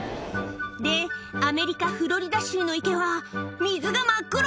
で、アメリカ・フロリダ州の池は、水が真っ黒。